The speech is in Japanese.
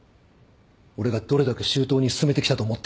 俺がどれだけ周到に進めてきたと思っている。